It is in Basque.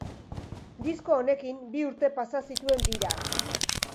Disko honekin bi urte pasa zituen biran.